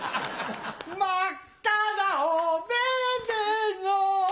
真っ赤なおべべの